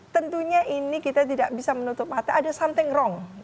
tentunya ini kita tidak bisa menutup mata ada something wrong